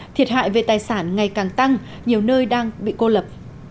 thiệt hại về tài sản ngày càng tăng nhiều nơi đang bị cô lập